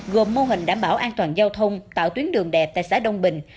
gồm mô hình đảm bảo an toàn giao thông tạo tuyến đường đẹp tại xã đông bình